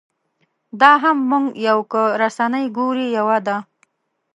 دا هم موږ یو که رسنۍ ګورې یوه ده.